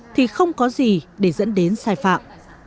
thì không có gì để dẫn đến sai phạm